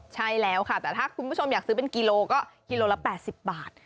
ใช่แล้วค่ะแต่ถ้าคุณผู้ชมอยากซื้อเป็นกิโลก็กิโลละ๘๐บาท